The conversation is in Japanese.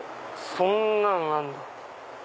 そんなんあるんだ。